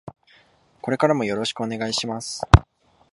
これからもよろしくお願いします。